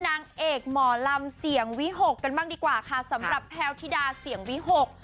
นางเอกหมอลำเสียงวิหกกันบ้างดีกว่าค่ะสำหรับแพลวธิดาเสี่ยงวิหก